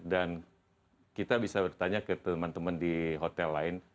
dan kita bisa bertanya ke teman teman di hotel lain